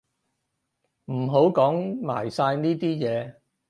唔好講埋晒呢啲嘢